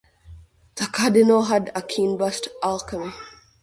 The cardinal had a keen interest alchemy.